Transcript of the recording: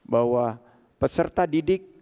bahwa peserta didik